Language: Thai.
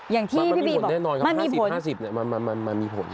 มันมีผลแน่นอนครับ๕๐๕๐มันมีผล